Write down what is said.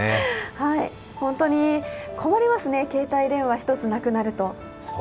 本当に困りますね、携帯電話一つなくなると。